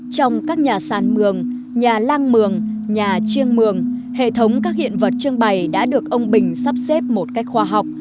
trong các nhà sàn mường nhà lang mường nhà chiêng mường hệ thống các hiện vật trưng bày đã được ông bình sắp xếp một cách khoa học